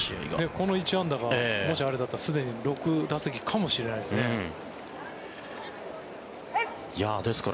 この１安打がもしあれだったらすでに６打席かもしれないですよね。